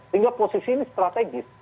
sehingga posisi ini strategis